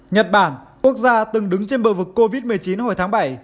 nhật bản quốc gia từng đứng trên bờ vực covid một mươi chín hồi tháng bảy